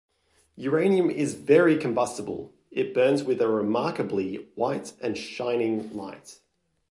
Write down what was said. Uranium is very combustible; it burns with a remarkably white and shining light.